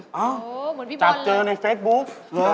โอ้โฮเหมือนพี่โบ๊นเลยนะจากเจอในเฟซบู๊ก